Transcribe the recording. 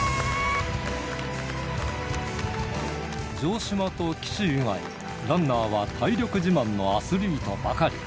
城島と岸以外、ランナーは体力自慢のアスリートばかり。